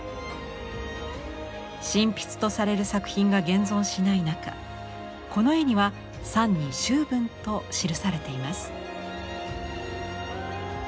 真筆とされる作品が現存しない中この絵には賛に「周文」と記されています。